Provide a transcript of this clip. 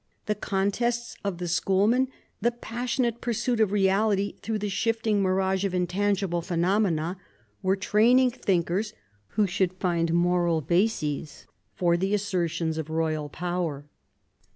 The contests of the schoolmen, the passionate pursuit of reality through the shifting mirage of intangible phenomena, were training thinkers who should find moral bases for the assertions of royal power.